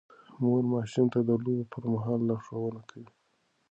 مور ماشوم ته د لوبو پر مهال لارښوونه کوي.